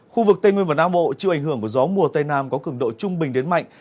khu vực tây nguyên và nam bộ chịu ảnh hưởng của gió mùa tây nam có cường độ trung bình đến mạnh